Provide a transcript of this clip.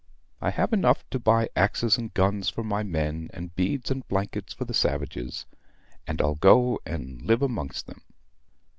I have enough to buy axes and guns for my men, and beads and blankets for the savages; and I'll go and live amongst them."